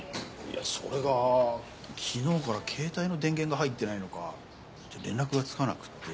いやそれが昨日から携帯の電源が入ってないのか連絡がつかなくて。